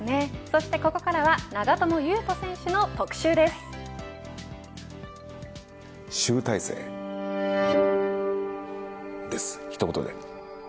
そしてここからは長友佑都選手の特集です。